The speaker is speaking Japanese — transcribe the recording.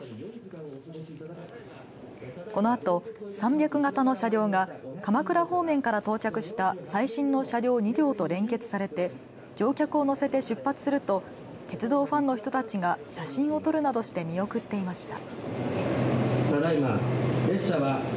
このあと、３００形の車両が鎌倉方面から到着した最新の車両２両と連結されて乗客を乗せて出発すると鉄道ファンの人たちが写真を撮るなどして見送っていました。